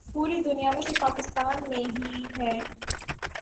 پوری دنیا میں صرف پاکستان میں ہی ہیں ۔